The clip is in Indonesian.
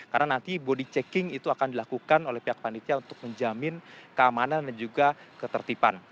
karena nanti body checking itu akan dilakukan oleh pihak manitia untuk menjamin keamanan dan juga ketertiban